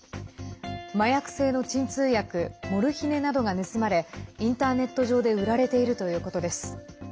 麻薬性の鎮痛薬モルヒネなどが盗まれインターネット上で売られているということです。